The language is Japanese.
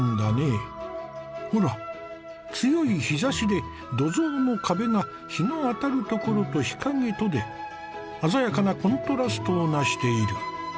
ほら強い日ざしで土蔵の壁が日の当たるところと日陰とで鮮やかなコントラストをなしている。